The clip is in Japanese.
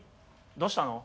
どうしたの？